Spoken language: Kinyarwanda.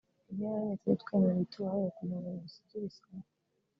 “Rimwe na rimwe tujye twemera ibitubayeho kugirango bidusigire isomo